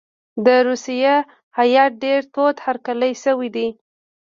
د روسیې هیات ډېر تود هرکلی شوی دی.